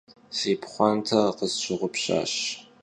Si pxhuanter khısşığupşaş.